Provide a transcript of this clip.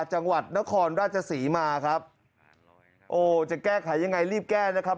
จังหวัดนครราชศรีมาครับโอ้จะแก้ไขยังไงรีบแก้นะครับ